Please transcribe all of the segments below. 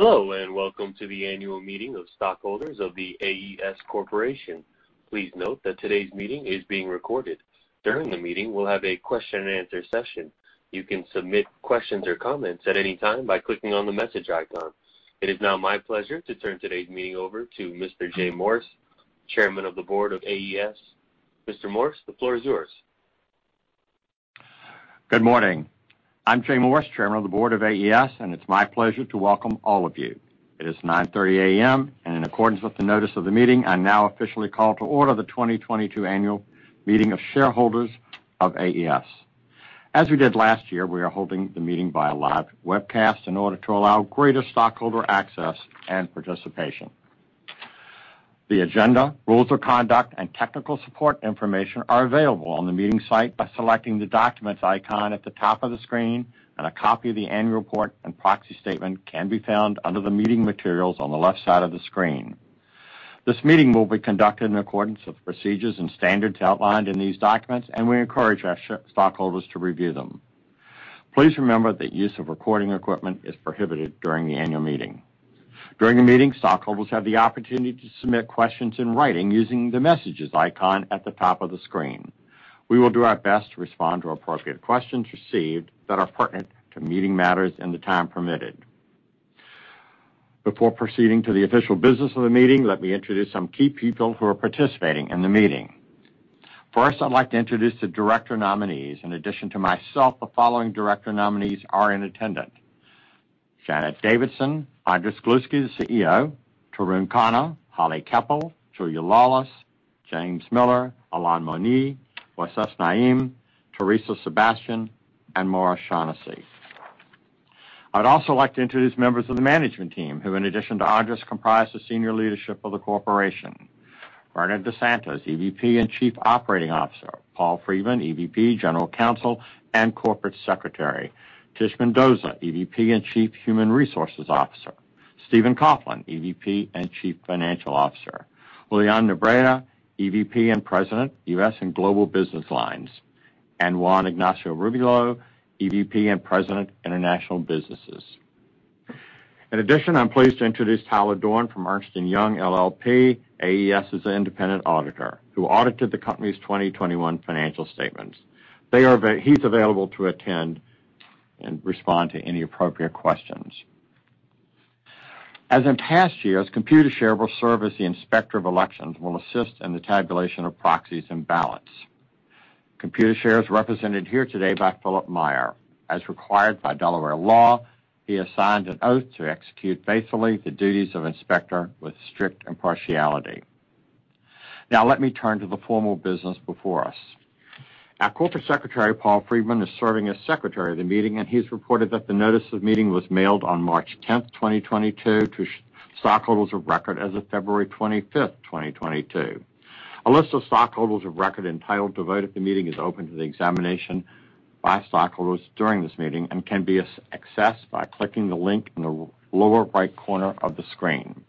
Hello, and welcome to the Annual Meeting of Stockholders of The AES Corporation. Please note that today's meeting is being recorded. During the meeting, we'll have a question-and-answer session. You can submit questions or comments at any time by clicking on the message icon. It is now my pleasure to turn today's meeting over to Mr. Jay Morse, Chairman of the Board of AES. Mr. Morse, the floor is yours. Good morning. I'm Jay Morse, Chairman of the Board of AES, and it's my pleasure to welcome all of you. It is 9:30 A.M., and in accordance with the notice of the meeting, I now officially call to order the 2022 annual meeting of shareholders of AES. As we did last year, we are holding the meeting by a live webcast in order to allow greater stockholder access and participation. The agenda, rules of conduct, and technical support information are available on the meeting site by selecting the Documents icon at the top of the screen, and a copy of the annual report and proxy statement can be found under the meeting materials on the left side of the screen. This meeting will be conducted in accordance with procedures and standards outlined in these documents, and we encourage our stockholders to review them. Please remember that use of recording equipment is prohibited during the annual meeting. During the meeting, stockholders have the opportunity to submit questions in writing using the Messages icon at the top of the screen. We will do our best to respond to appropriate questions received that are pertinent to meeting matters in the time permitted. Before proceeding to the official business of the meeting, let me introduce some key people who are participating in the meeting. First, I'd like to introduce the director nominees. In addition to myself, the following director nominees are in attendance: Janet Davidson, Andrés Gluski, the CEO, Tarun Khanna, Holly Keller Koeppel, Julie Laulis, James Miller, Alain Monié, Moisés Naím, Teresa Sebastian, and Maura Shaughnessy. I'd also like to introduce members of the management team, who, in addition to Andrés, comprise the senior leadership of the corporation. Bernerd Da Santos, EVP and Chief Operating Officer. Paul Freedman, EVP, General Counsel, and Corporate Secretary. Tish Mendoza, EVP and Chief Human Resources Officer. Stephen Coughlin, EVP and Chief Financial Officer. Julian Nebreda, EVP and President, U.S. and Global Business Lines. Juan Ignacio Rubiolo, EVP and President, International Businesses. In addition, I'm pleased to introduce Tyler Dorn from Ernst & Young LLP, AES's independent auditor, who audited the company's 2021 financial statements. He's available to attend and respond to any appropriate questions. As in past years, Computershare will serve as the Inspector of Elections and will assist in the tabulation of proxies and ballots. Computershare is represented here today by Philip Meyer. As required by Delaware law, he has signed an oath to execute faithfully the duties of Inspector with strict impartiality. Now let me turn to the formal business before us. Our Corporate Secretary, Paul Freedman, is serving as Secretary of the meeting, and he's reported that the notice of meeting was mailed on March 10th, 2022 to shareholders of record as of February 25th, 2022. A list of stockholders of record entitled to vote at the meeting is open to the examination by stockholders during this meeting and can be accessed by clicking the link in the lower right corner of the screen.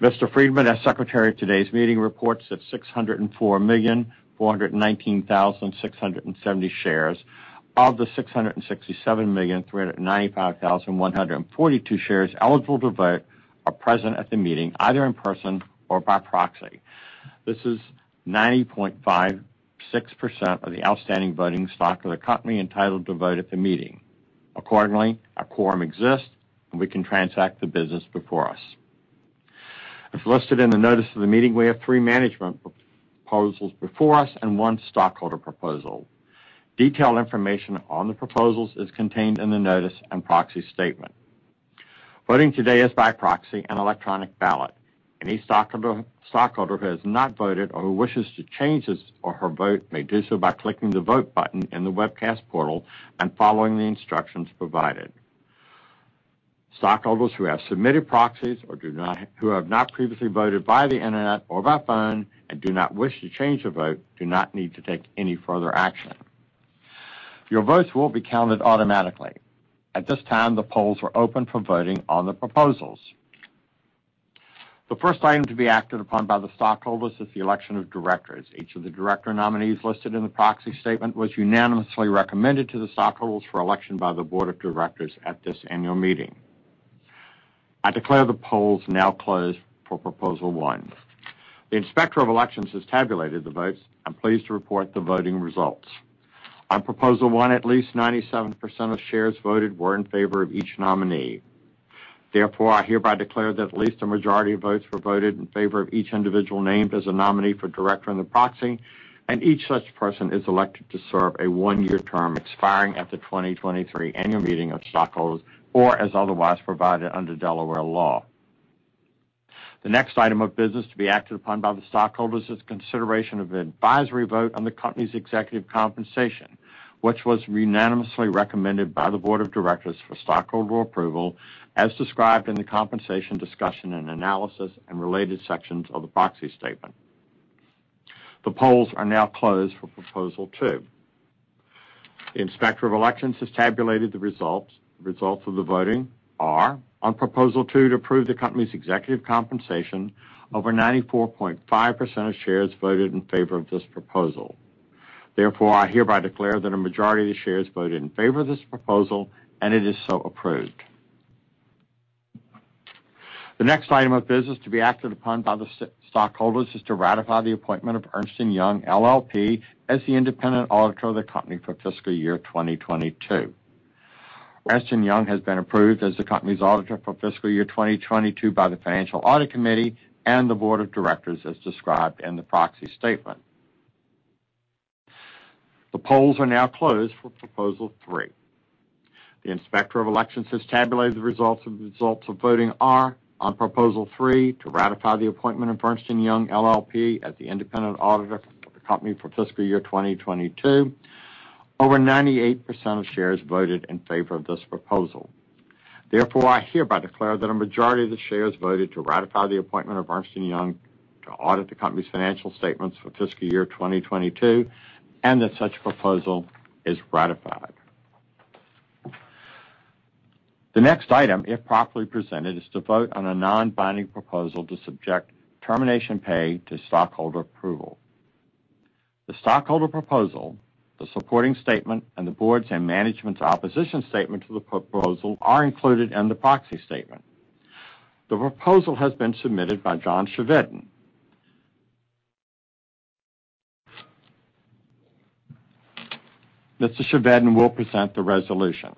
Mr. Freedman, as Secretary of today's meeting, reports that 604,419,670 shares of the 667,395,142 shares eligible to vote are present at the meeting, either in person or by proxy. This is 95.6% of the outstanding voting stock of the company entitled to vote at the meeting. Accordingly, a quorum exists, and we can transact the business before us. As listed in the notice of the meeting, we have three management proposals before us and one stockholder proposal. Detailed information on the proposals is contained in the notice and proxy statement. Voting today is by proxy and electronic ballot. Any stockholder who has not voted or who wishes to change his or her vote may do so by clicking the Vote button in the webcast portal and following the instructions provided. Stockholders who have submitted proxies or who have not previously voted via the internet or by phone and do not wish to change their vote do not need to take any further action. Your votes will be counted automatically. At this time, the polls are open for voting on the proposals. The first item to be acted upon by the stockholders is the election of directors. Each of the director nominees listed in the proxy statement was unanimously recommended to the stockholders for election by the Board of Directors at this annual meeting. I declare the polls now closed for Proposal 1. The Inspector of Elections has tabulated the votes. I'm pleased to report the voting results. On Proposal 1, at least 97% of shares voted were in favor of each nominee. Therefore, I hereby declare that at least a majority of votes were voted in favor of each individual named as a nominee for director in the proxy, and each such person is elected to serve a one-year term expiring at the 2023 annual meeting of stockholders or as otherwise provided under Delaware law. The next item of business to be acted upon by the stockholders is consideration of an advisory vote on the company's executive compensation, which was unanimously recommended by the Board of Directors for stockholder approval as described in the compensation discussion and analysis and related sections of the proxy statement. The polls are now closed for Proposal 2. The Inspector of Elections has tabulated the results. The results of the voting are. On Proposal 2 to approve the company's executive compensation, over 94.5% of shares voted in favor of this proposal. Therefore, I hereby declare that a majority of the shares voted in favor of this proposal, and it is so approved. The next item of business to be acted upon by the stockholders is to ratify the appointment of Ernst & Young LLP as the independent auditor of the company for fiscal year 2022. Ernst & Young LLP has been approved as the company's auditor for fiscal year 2022 by the Financial Audit Committee and the Board of Directors as described in the proxy statement. The polls are now closed for Proposal 3. The Inspector of Elections has tabulated the results, and the results of voting are on Proposal 3, to ratify the appointment of Ernst & Young LLP as the independent auditor for the company for fiscal year 2022, over 98% of shares voted in favor of this proposal. Therefore, I hereby declare that a majority of the shares voted to ratify the appointment of Ernst & Young LLP to audit the company's financial statements for fiscal year 2022, and that such proposal is ratified. The next item, if properly presented, is to vote on a non-binding proposal to subject termination pay to stockholder approval. The stockholder proposal, the supporting statement, and the Board's and management's opposition statement to the proposal are included in the proxy statement. The proposal has been submitted by John Chevedden. Mr. Chevedden will present the resolution.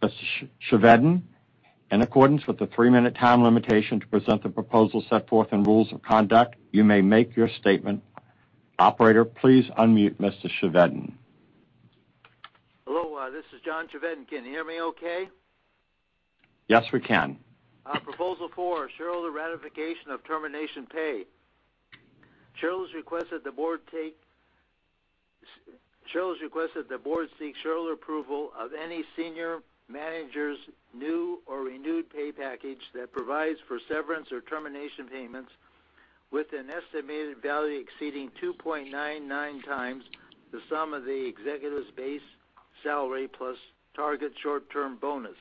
Mr. Chevedden, in accordance with the three-minute time limitation to present the proposal set forth in rules of conduct, you may make your statement. Operator, please unmute Mr. Chevedden. Hello, this is John Chevedden. Can you hear me okay? Yes, we can. Proposal 4, shareholder ratification of termination pay. Shareholders request that the Board seek shareholder approval of any senior manager's new or renewed pay package that provides for severance or termination payments with an estimated value exceeding 2.99x the sum of the executive's base salary plus target short-term bonus.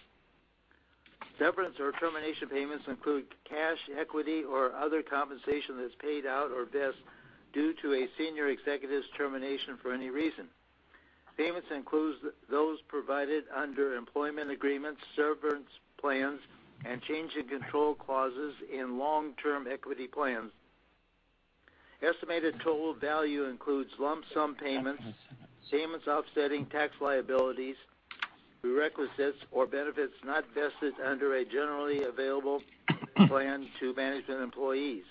Severance or termination payments include cash, equity, or other compensation that's paid out or vests due to a senior executive's termination for any reason. Payments includes those provided under employment agreements, severance plans, and change in control clauses in long-term equity plans. Estimated total value includes lump sum payments offsetting tax liabilities, perquisites or benefits not vested under a generally available plan to management employees,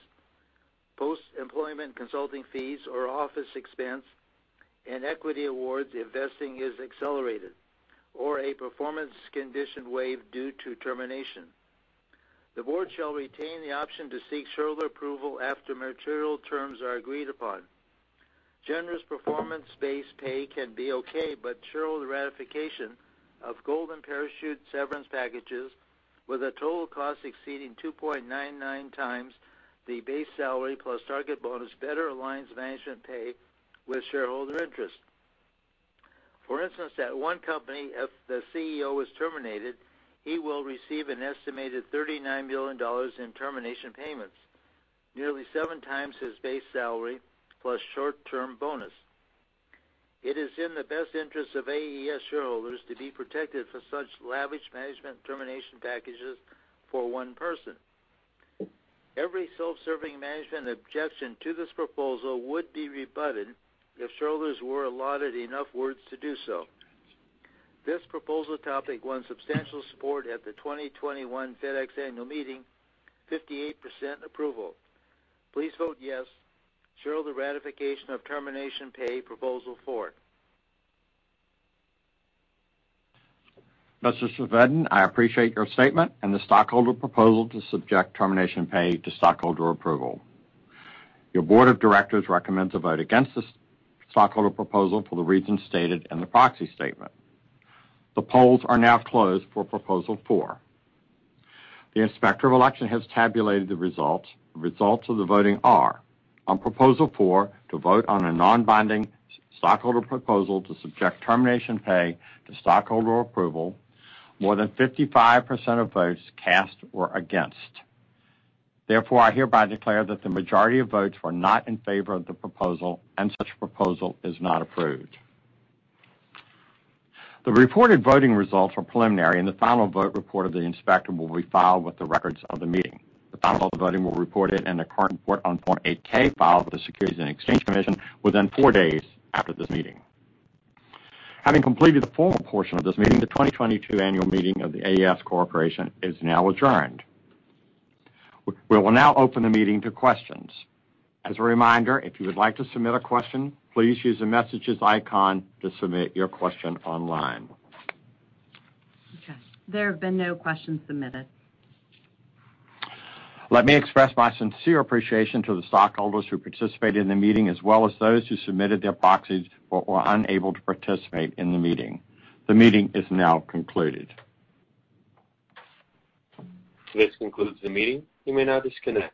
post-employment consulting fees or office expense and equity awards if vesting is accelerated or a performance condition waived due to termination. The Board shall retain the option to seek shareholder approval after material terms are agreed upon. Generous performance-based pay can be okay, but shareholder ratification of golden parachute severance packages with a total cost exceeding 2.99x the base salary plus target bonus better aligns management pay with shareholder interest. For instance, at one company, if the CEO is terminated, he will receive an estimated $39 million in termination payments, nearly 7x his base salary plus short-term bonus. It is in the best interest of AES shareholders to be protected for such lavish management termination packages for one person. Every self-serving management objection to this proposal would be rebutted if shareholders were allotted enough words to do so. This proposal topic won substantial support at the 2021 FedEx annual meeting, 58% approval. Please vote yes. Shareholder ratification of termination pay, Proposal 4. Mr. Chevedden, I appreciate your statement and the stockholder proposal to subject termination pay to stockholder approval. Your Board of Directors recommends a vote against this stockholder proposal for the reasons stated in the proxy statement. The polls are now closed for Proposal 4. The Inspector of Elections has tabulated the results. The results of the voting are on Proposal 4, to vote on a non-binding stockholder proposal to subject termination pay to stockholder approval, more than 55% of votes cast were against. Therefore, I hereby declare that the majority of votes were not in favor of the proposal, and such proposal is not approved. The reported voting results are preliminary, and the final vote report of the inspector will be filed with the records of the meeting. The final vote of the voting will be reported in the current report on Form 8-K filed with the Securities and Exchange Commission within four days after this meeting. Having completed the formal portion of this meeting, the 2022 annual meeting of The AES Corporation is now adjourned. We will now open the meeting to questions. As a reminder, if you would like to submit a question, please use the messages icon to submit your question online. Okay. There have been no questions submitted. Let me express my sincere appreciation to the stockholders who participated in the meeting as well as those who submitted their proxies but were unable to participate in the meeting. The meeting is now concluded. This concludes the meeting. You may now disconnect.